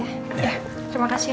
terima kasih ya dok